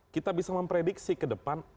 kita bisa memprediksi ke depan